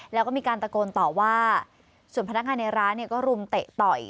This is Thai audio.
แล้วก็มีการตะโกนต่อว่าส่วนพนักงานในร้านเนี่ยก็รุมเตะต่อย